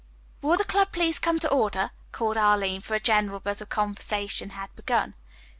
"Will the club please come to order," called Arline, for a general buzz of conversation had begun.